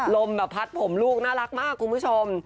แบบพัดผมลูกน่ารักมากคุณผู้ชม